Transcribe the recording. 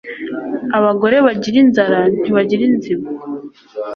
Abagore bagira inzara ntibagira inzigo